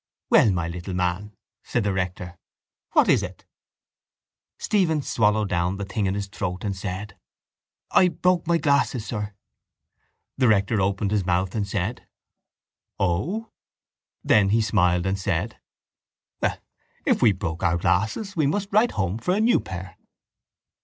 —Well, my little man, said the rector, what is it? Stephen swallowed down the thing in his throat and said: —I broke my glasses, sir. The rector opened his mouth and said: —O! Then he smiled and said: —Well, if we broke our glasses we must write home for a new pair.